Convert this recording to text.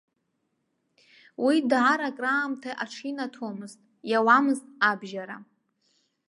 Уи даара акраамҭа аҽинаҭомызт, иауамызт абжьара.